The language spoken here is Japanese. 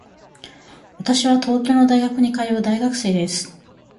私は東京の大学に通う大学生です。